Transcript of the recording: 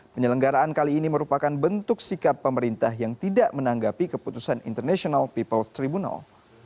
penyelenggaraan kali ini merupakan bentuk sikap pemerintah yang tidak menanggapi keputusan international peoples tribunal